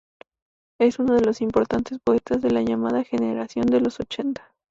Es uno de los importantes poetas de la llamada Generación de los Ochenta.